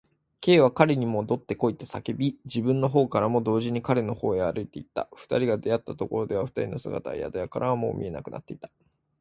Ｋ は彼にもどってこいと叫び、自分のほうからも同時に彼のほうへ歩いていった。二人が出会ったところでは、二人の姿は宿屋からはもう見えなくなっていた。